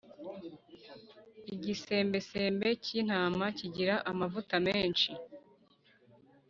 igisembesembe k’intama kigira amavuta menshi